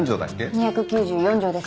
２９４条です。